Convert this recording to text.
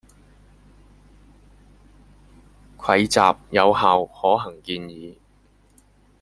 蒐集有效、可行建議